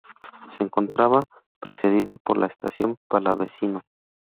Se encontraba precedida por la Estación Palavecino.